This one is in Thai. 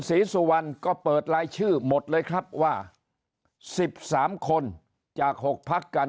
ศรีสุวรรณก็เปิดรายชื่อหมดเลยครับว่า๑๓คนจาก๖พักกัน